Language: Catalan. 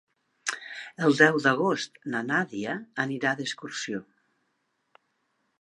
El deu d'agost na Nàdia anirà d'excursió.